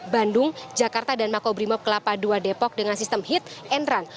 bandung jakarta dan makobrimob kelapa dua depok dengan sistem hit and run